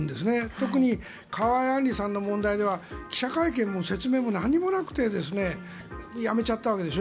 特に河井案里さんの問題では記者会見も説明も何もなくて辞めちゃったわけでしょ。